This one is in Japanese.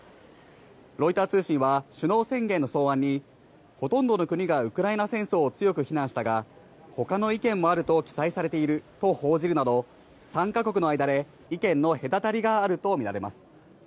ロイター通信は、首脳宣言の草案に、ほとんどの国がウクライナ戦争を強く非難したが、ほかの意見もあると記載されていると報じるなど、参加国の間で、意見の隔たりがあると見られます。